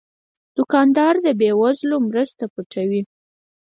دوکاندار د بې وزلو مرسته پټوي.